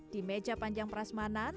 di meja panjang prasmanan